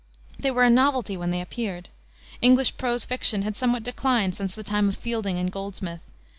They were a novelty when they appeared. English prose fiction had somewhat declined since the time of Fielding and Goldsmith.